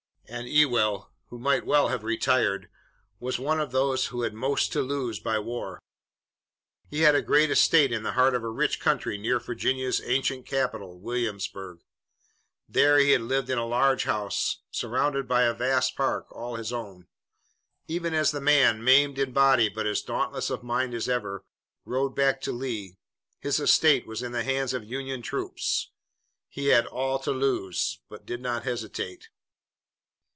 And Ewell, who might well have retired, was one of those who had most to lose by war. He had a great estate in the heart of a rich country near Virginia's ancient capital, Williamsburg. There he had lived in a large house, surrounded by a vast park, all his own. Even as the man, maimed in body but as dauntless of mind as ever, rode back to Lee, his estate was in the hands of Union troops. He had all to lose, but did not hesitate.